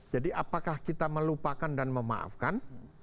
jadi apakah kita melupakan dan memaafkan